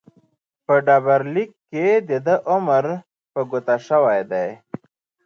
په ډبرلیک کې دده عمر په ګوته شوی دی.